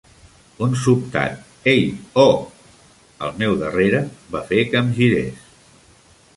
Un sobtat "Ei, ho!" al meu darrere va fer que em girés.